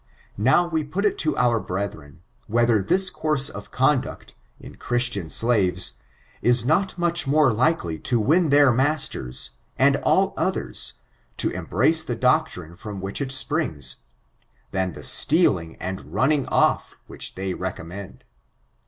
Now. we pot it to oar brediren. vriiether this course of conduct, in Christian slaves^ b not much more likely to win dieir masters, and all others, to embrace the doctrine from which it springs, than the steaKng and nmning ofi^ whi^ diey recommend.